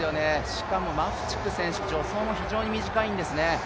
しかも、マフチク選手、助走も非常に短いんですね。